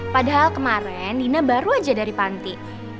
padahal kemarin nina baru aja dari panti